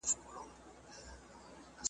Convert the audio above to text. دي خو پر هغوی باندي .